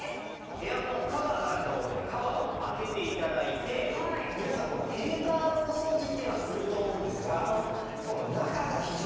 エアコンカバーがあると思うのでカバーを開けて頂いて皆さんこのフィルターのお掃除っていうのはすると思うんですがこの中が非常に重要なんですね。